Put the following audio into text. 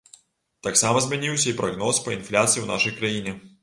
Таксама змяніўся і прагноз па інфляцыі ў нашай краіне.